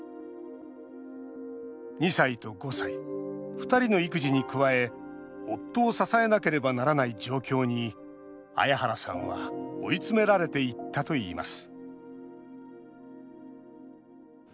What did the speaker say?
２歳と５歳、２人の育児に加え夫を支えなければならない状況に彩原さんは追い詰められていったといいます